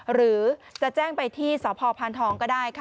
หรือจะแจ้งไปที่สพพก็ได้